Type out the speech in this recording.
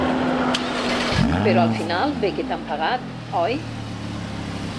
Però al final bé que t'han pagat, oi?